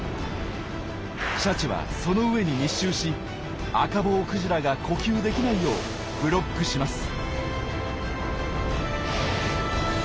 シャチはその上に密集しアカボウクジラが呼吸できないようブロックします。